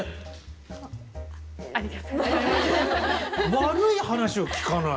悪い話を聞かない。